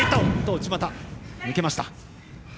内股、抜けました。